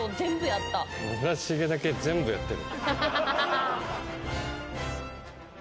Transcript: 村重だけ全部やってる。